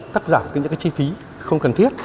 cắt giảm những chi phí không cần thiết